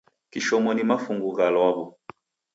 Kishomo ni mafungu gha law'u.